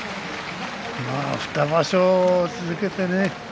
２場所続けてね